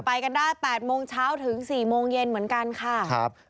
ไปกันได้๘โมงเช้าถึง๔โมงเย็นเหมือนกันค่ะครับ